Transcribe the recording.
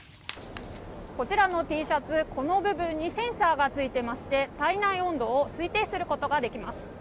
こちらのＴシャツ、この部分にセンサーがついていまして体内温度を推定することができます。